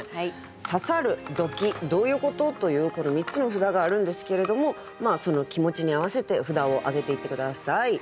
「刺さる」「ドキッ」「どういうこと？」というこの３つの札があるんですけれどもその気持ちに合わせて札を挙げていって下さい。